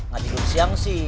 gak tidur siang sih